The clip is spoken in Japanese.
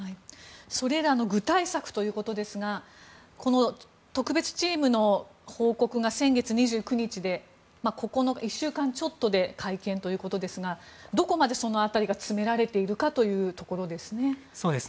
それらの具体策ということですがこの特別チームの報告が先月２９で１週間ちょっとで会見ということですがどこまでその辺りが詰められているかですね。